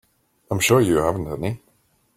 I'm sure you haven't any.